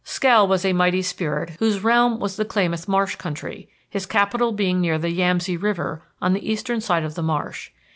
"Skell was a mighty spirit whose realm was the Klamath Marsh country, his capital being near the Yamsay River on the eastern side of the marsh.